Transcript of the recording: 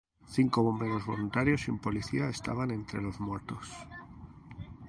Cinco bomberos voluntarios y un policía estaban entre los muertos.